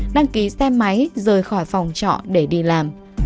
đăng ký xe máy rời khỏi phòng trọ để đi làm